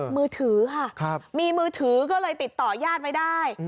มือถือค่ะมีมือถือก็เลยติดต่อยาดไว้ได้